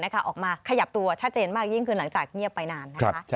และออกมาขยับตัวชัดเจนมากยิ่งคืนหลังจากเงียบไปนาน